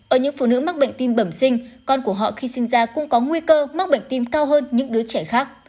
ở những phụ nữ mắc bệnh tim bẩm sinh con của họ khi sinh ra cũng có nguy cơ mắc bệnh tim cao hơn những đứa trẻ khác